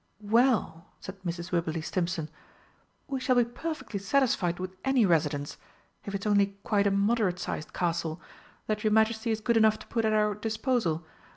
"Well," said Mrs. Wibberley Stimpson, "we shall be perfectly satisfied with any residence if it's only quite a moderate sized castle that your Majesty is good enough to put at our disposal.